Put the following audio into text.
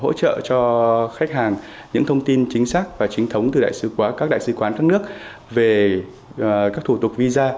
thứ hai là hỗ trợ cho khách hàng những thông tin chính xác và chính thống từ các đại sứ quán các nước về các thủ tục visa